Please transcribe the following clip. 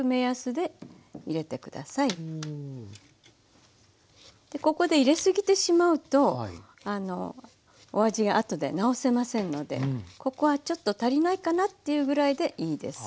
でここで入れ過ぎてしまうとお味が後で直せませんのでここはちょっと足りないかなっていうぐらいでいいです。